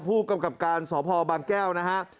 ผู้กำกับการสพบางแก้วนะฮะ